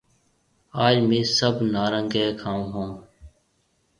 آج ميه سڀ نارِينگِي کاون هون